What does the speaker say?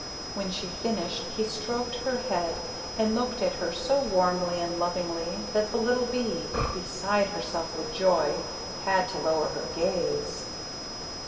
When she finished he stroked her head and looked at her so warmly and lovingly that the little bee, beside herself with joy, had to lower her gaze.